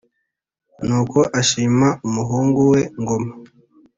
Nuko ashima umuhungu we Ngoma.